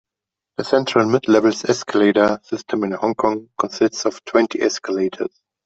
The Central-Midlevels escalator system in Hong Kong consists of twenty escalators.